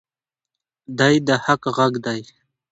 دی د حق غږ دی.